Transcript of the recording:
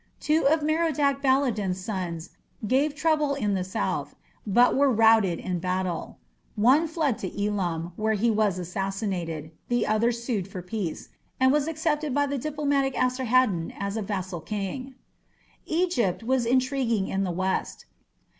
Two of Merodach Baladan's sons gave trouble in the south, but were routed in battle. One fled to Elam, where he was assassinated; the other sued for peace, and was accepted by the diplomatic Esarhaddon as a vassal king. Egypt was intriguing in the west.